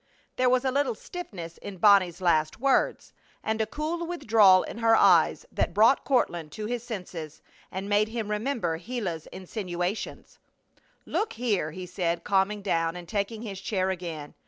There was a little stiffness in Bonnie's last words, and a cool withdrawal in her eyes that brought Courtland to his senses and made him remember Gila's insinuations. "Look here!" he said, calming down and taking his chair again.